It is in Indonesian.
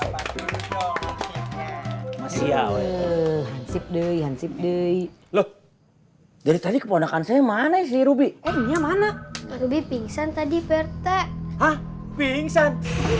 lo dari tadi keperluan saya mana sih ruby punya mana lebih pingsan tadi perte ha pingsan